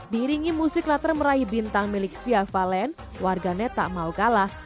diiringi musik latar meraih bintang milik fia valen warganet tak mau kalah